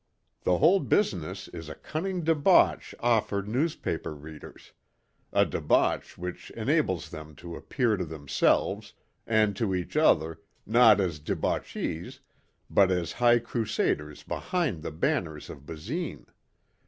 The whole business is a cunning debauch offered newspaper readers, a debauch which enables them to appear to themselves and to each other not as debauchees but as high crusaders behind the banners of Basine.